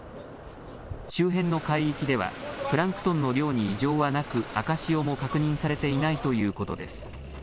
周辺の海域ではプランクトンの量に異常はなく、赤潮も確認されていないということです。